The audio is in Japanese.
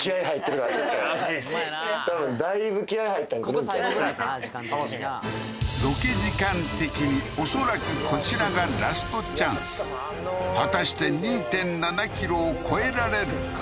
そやな楽しみやロケ時間的に恐らくこちらがラストチャンス果たして２．７ｋｇを超えられるか？